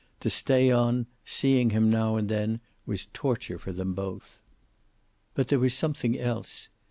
To stay on, seeing him now and then, was torture for them both. But there was something else.